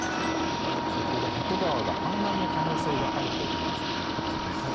先ほど鳩川が氾濫の可能性があるというニュースも入ってきましたね。